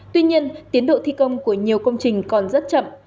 tuy nhiên tiến độ thi công của nhiều công trình còn rất chậm